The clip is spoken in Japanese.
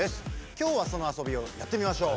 今日はその遊びをやってみましょう。